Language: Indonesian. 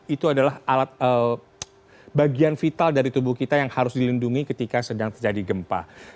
itu adalah bagian vital dari tubuh kita yang harus dilindungi ketika sedang terjadi gempa